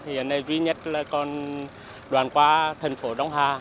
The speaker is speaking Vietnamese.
hiện nay duy nhất là còn đoàn qua thành phố đông hà